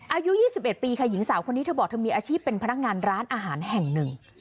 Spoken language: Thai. อายุ๒๑ปีค่ะหญิงสาวคนนี้เธอบอกเธอมีอาชีพเป็นพนักงานร้านอาหารแห่งหนึ่ง